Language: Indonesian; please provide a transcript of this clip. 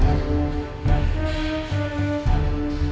bangun jangan tinggalin